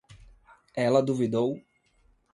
Ela duvidou